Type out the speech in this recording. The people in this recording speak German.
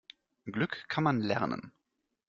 Glück kann man lernen.